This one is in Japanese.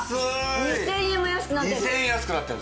２０００円も安くなってる。